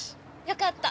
よかった。